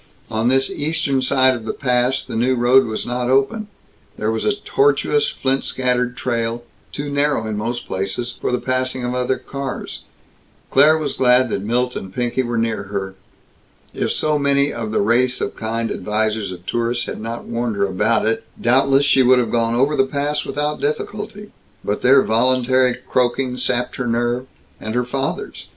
On this eastern side of the pass, the new road was not open; there was a tortuous, flint scattered trail, too narrow, in most places, for the passing of other cars. Claire was glad that Milt and Pinky were near her. If so many of the race of kind advisers of tourists had not warned her about it, doubtless she would have gone over the pass without difficulty. But their voluntary croaking sapped her nerve, and her father's.